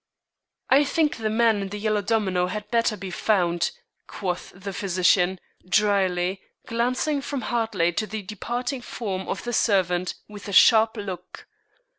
"I think the man in the yellow domino had better be found," quoth the physician, dryly, glancing from Hartley to the departing form of the servant, with a sharp look.